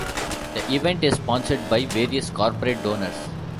The event is sponsored by various corporate donors.